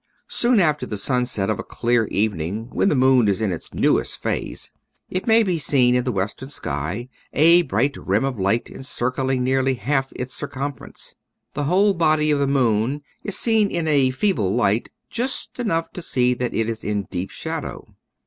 • Soon after the sunset of a clear evening when the moon is in its newest phase, it may be seen in the western sky, a bright rim of light encircling nearly half its circumference. The whole body of the moon is seen in a feeble light, just enough to see that it is in deep shadow.